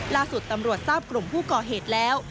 ล่าสุดตำรวจทราบกลุ่มผู้ก่อเหตุแล้ว